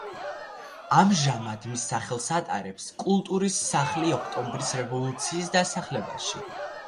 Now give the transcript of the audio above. ამჟამად მის სახელს ატარებს კულტურის სახლი ოქტომბრის რევოლუციის დასახლებაში.